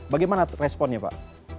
bagaimana responnya pak